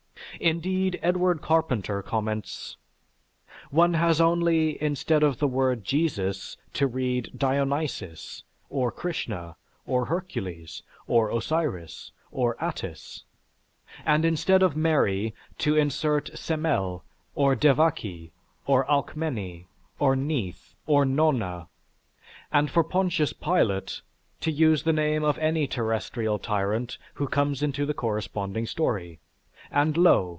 Indeed, Edward Carpenter comments, "One has only, instead of the word 'Jesus' to read Dionysis or Krishna or Hercules or Osiris or Attis, and instead of 'Mary' to insert Semele or Devaki or Alcmene or Neith or Nona, and for Pontius Pilate to use the name of any terrestrial tyrant who comes into the corresponding story, and lo!